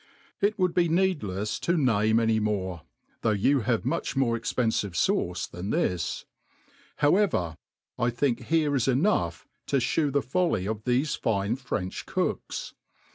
Ic would be oeedlefs to name any more, though you hav^ much more expenfive fauce than this ; however, I think bene \i enough to fhew the folly of thefe fine 'French cooks.